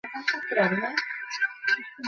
দোস্ত, আজ মনে হয় শেষ হবে না।